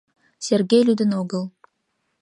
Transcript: Сергей лӱдын огыл.